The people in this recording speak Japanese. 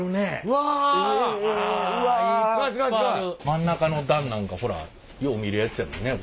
真ん中の段なんかほらよう見るやっちゃね。